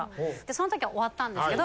その時は終わったんですけど。